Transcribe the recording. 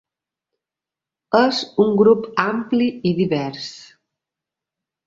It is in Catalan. És un grup ampli i divers.